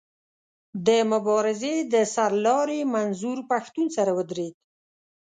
د مبارزې د سر لاري منظور پښتون سره ودرېد.